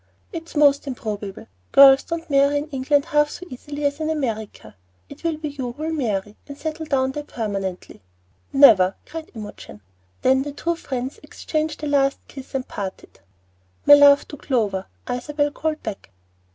"It's most improbable. Girls don't marry in England half so easily as in America. It will be you who will marry, and settle over there permanently." "Never!" cried Imogen. Then the two friends exchanged a last kiss and parted. "My love to Clover," Isabel called back.